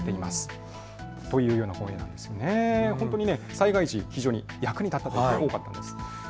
災害時、非常に役に立ったという声、多かったんです。